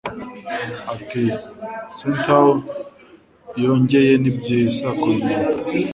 ati centaur yongeye nibyiza kubimenya